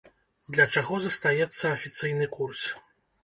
Для чаго застаецца афіцыйны курс?